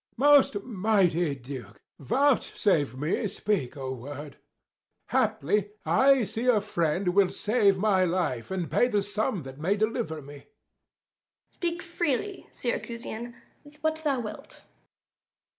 _ Æge. Most mighty Duke, vouchsafe me speak a word: Haply I see a friend will save my life, And pay the sum that may deliver me. Duke. Speak freely, Syracusian, what thou wilt.